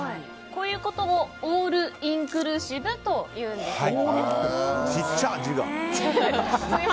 こういうことをオールインクルーシブというんですね。